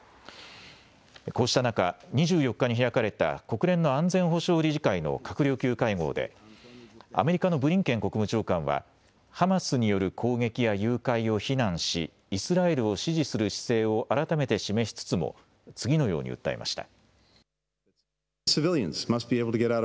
こうした中、２４日に開かれた国連の安全保障理事会の閣僚級会合で、アメリカのブリンケン国務長官は、ハマスによる攻撃や誘拐を非難し、イスラエルを支持する姿勢を改めて示しつつも、次のように訴えました。